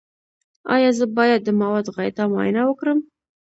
ایا زه باید د مواد غایطه معاینه وکړم؟